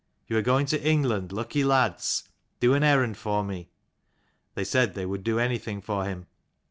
You are going to England, lucky lads. Do an errand for me." They said they would do anything for him.